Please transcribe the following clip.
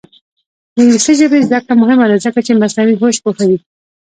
د انګلیسي ژبې زده کړه مهمه ده ځکه چې مصنوعي هوش پوهوي.